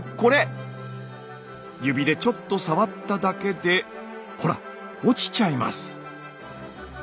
指でちょっと触っただけでほら落ちちゃいます。